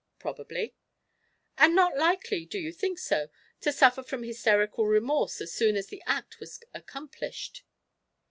"Probably." "And not likely, do you think so? to suffer from hysterical remorse as soon as the act was accomplished?"